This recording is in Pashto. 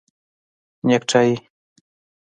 👔 نیکټایې